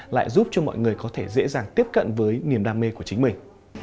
lại giúp cho mọi người có thể dễ dàng tiếp cận với niềm đam mê của chính mình